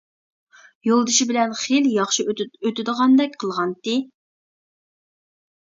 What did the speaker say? يولدىشى بىلەن خېلى ياخشى ئۆتىدىغاندەك قىلغانتى.